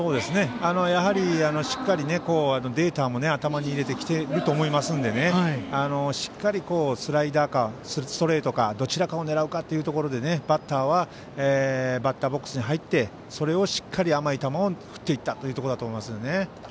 やはり、しっかりデータも頭に入れてきてると思いますんでしっかりスライダーかストレートかどちらかを狙うかというところでバッターはバッターボックスに入って甘い球を振っていったというところだと思います。